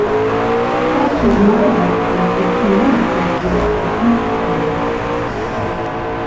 Churches now walk in ecumenical groups from each area.